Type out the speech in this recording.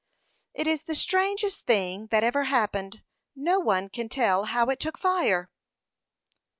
"It is the strangest thing that ever happened. No one can tell how it took fire."